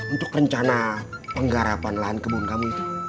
untuk rencana penggarapan lahan kebun kamu itu